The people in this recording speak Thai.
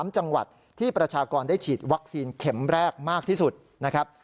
๓จังหวัดที่ประชากรได้ฉีดวัคซีนเข็มแรกมากที่สุดนะครับ